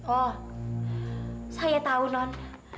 oh saya tahu non